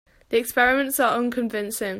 The experiments are unconvincing.